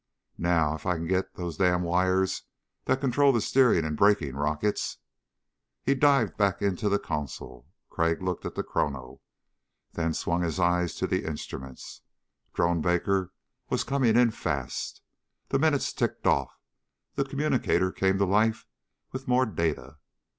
"Now if I can get those damn wires that control the steering and braking rockets ..." He dived back into the console. Crag looked at the chrono, then swung his eyes to the instruments. Drone Baker was coming in fast. The minutes ticked off. The communicator came to life with more data.